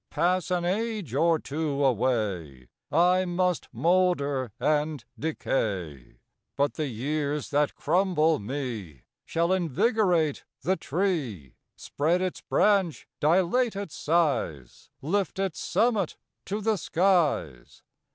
Pass an age or two away, I must moulder and decay, But the years that crumble me Shall invigorate the tree, Spread its branch, dilate its size, Lift its summit to the skies.